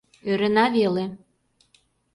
Ӧрына веле...